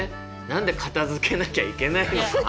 「何で片づけなきゃいけないのか？」。